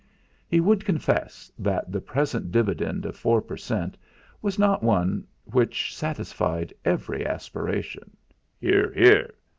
He would confess that the present dividend of four per cent. was not one which satisfied every aspiration (Hear, hear!)